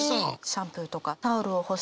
シャンプーとかタオルを干したり。